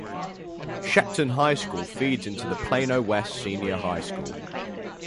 Shepton High School feeds into Plano West Senior High School.